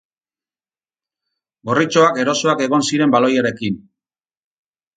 Gorritxoak erosoak egon ziren baloiarekin.